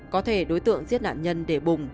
có thể đối tượng giết nạn nhân để bùng